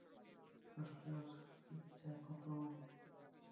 Master, কিচ্ছা খতম।